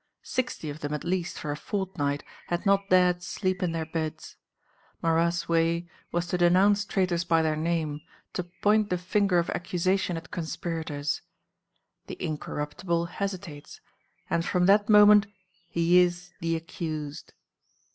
Sixty of them at least for a fortnight had not dared sleep in their beds. Marat's way was to denounce traitors by their name, to point the finger of accusation at conspirators. The Incorruptible hesitates, and from that moment he is the accused....